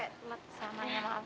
samanya maaf banget